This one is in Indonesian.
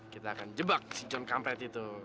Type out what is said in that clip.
kita akan jebak si john kampret itu